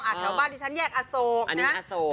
แถวบ้านที่ฉันแยกอโศกนะ